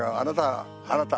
あなた。